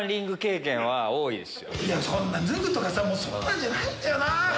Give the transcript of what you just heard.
いやそんな脱ぐとかさもうそんなんじゃないんだよな。